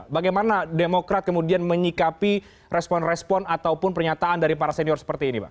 bagaimana demokrat kemudian menyikapi respon respon ataupun pernyataan dari para senior seperti ini pak